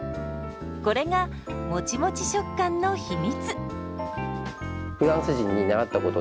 これがもちもち食感の秘密。